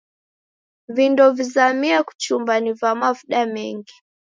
Vindo vizamie kuchumba ni va mavuda mengi.